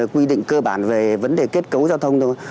quy định cơ bản về vấn đề kết cấu giao thông thôi